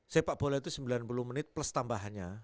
sepak bola itu sembilan puluh menit plus tambahannya